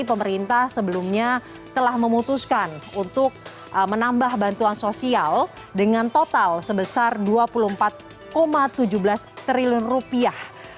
pemerintah sebelumnya telah memutuskan untuk menambah bantuan sosial dengan total sebesar dua puluh empat tujuh belas triliun rupiah